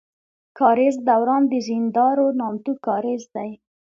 کاريز دوران د زينداور نامتو کاريز دی.